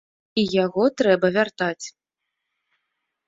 І яго трэба вяртаць.